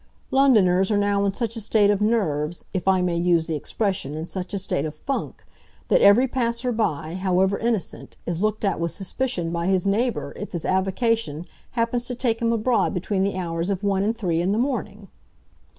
"'Londoners are now in such a state of nerves—if I may use the expression, in such a state of funk—that every passer by, however innocent, is looked at with suspicion by his neighbour if his avocation happens to take him abroad between the hours of one and three in the morning.